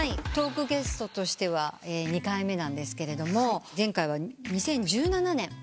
トークゲストとしては２回目なんですけれども前回は２０１７年。